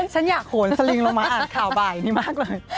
ฉันอยากโหนสลิงลงมาอ่านข่าวบ่ายนี้มากเลย